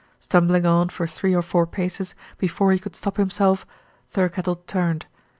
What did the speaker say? Stumbling on for three or four paces before he could stop himself, Thirkettle turned.